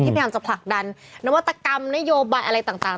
พยายามจะผลักดันนวัตกรรมนโยบายอะไรต่าง